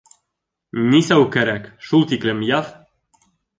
- Нисәү кәрәк, шул тиклем яҙ.